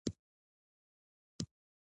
یو امپریالیستي هېواد بل هېواد ته پور ورکوي